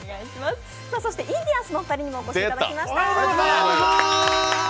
インディアンスのお二人にもお越しいただきました。